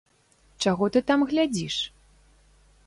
Чаго ты там глядзіш?